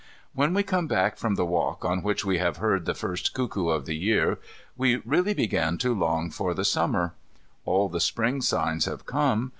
When we come back from the walk on which we have heard the first cuckoo of the year, we really begin to long for the Summer. All the Spring signs have come.